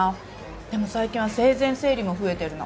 でも最近は生前整理も増えてるの。